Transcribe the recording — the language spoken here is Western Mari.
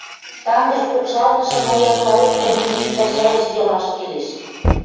Тангыж покшалнышы маяклаок коммунизм пӓшӓэш йылаш келеш